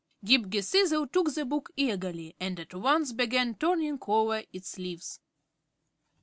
Ghip Ghisizzle took the book eagerly and at once began turning over its leaves.